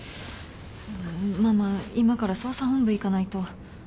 ママ今から捜査本部行かないと。